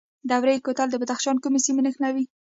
دوره کوتل د بدخشان کومې سیمې نښلوي؟